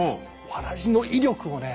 わらじの威力をね